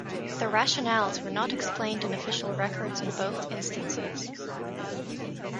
The rationales were not explained in official records in both instances.